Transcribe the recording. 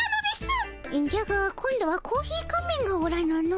じゃが今度はコーヒー仮面がおらぬの。